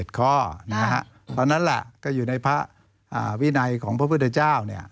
ตอนนั้นก็อยู่ในวินัยของพระพุทธเจ้า